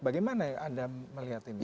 bagaimana anda melihat ini